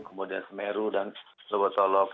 kemudian semeru dan lebotolok